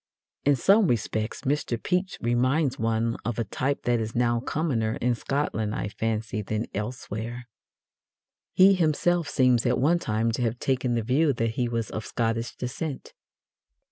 In some respects Mr. Pepys reminds one of a type that is now commoner in Scotland, I fancy, than elsewhere. He himself seems at one time to have taken the view that he was of Scottish descent.